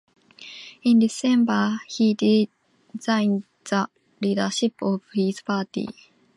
In December he resigned the leadership of his party.